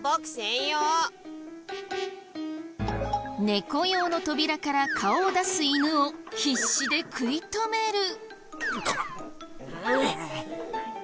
猫用の扉から顔を出す犬を必死で食い止める。